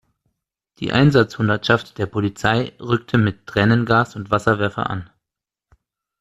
Die Einsatzhundertschaft der Polizei rückte mit Tränengas und Wasserwerfer an.